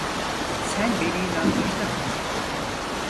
Sen beni inandırdın…